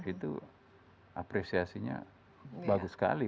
itu apresiasinya bagus sekali